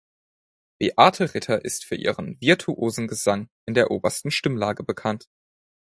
Beate Ritter ist für ihren virtuosen Gesang in der obersten Stimmlage bekannt.